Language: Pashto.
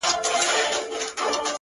• جوړ يمه گودر يم ماځيگر تر ملا تړلى يم؛